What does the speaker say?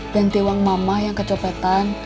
ganti uang mama yang kecopetan